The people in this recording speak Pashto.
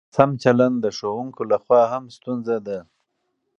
ناسم چلند د ښوونکو له خوا هم ستونزه ده.